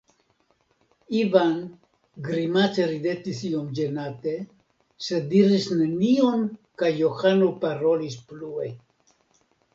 Ivan grimace ridetis iom ĝenate, sed diris nenion kaj Johano parolis plue.